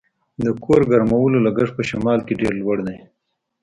د کور ګرمولو لګښت په شمال کې ډیر لوړ دی